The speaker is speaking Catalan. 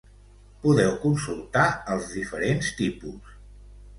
Podeu consultar els diferents tipus.